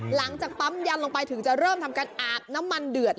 หลังจากปั๊มยันลงไปถึงจะเริ่มทำการอาบน้ำมันเดือด